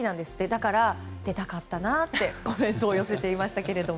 だから、出たかったなってコメントを寄せていましたけど。